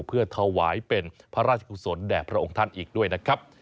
เพื่อถวายเป็นพระราชกุศลแด่พระองค์ท่านอีกด้วยนะครับ